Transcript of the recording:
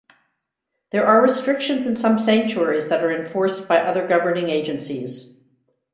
There are restrictions in some sanctuaries that are enforced by other governing agencies.